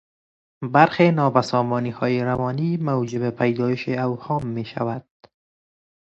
برخی نابسامانیهای روانی موجب پیدایش اوهام میشود.